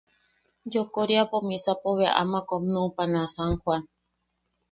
Yokoriapo, misapo bea ama kom nuʼupana San Joan.